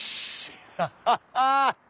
ハハハッ！